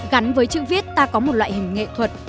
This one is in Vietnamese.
gắn với chữ viết ta có một loại hình nghệ thuật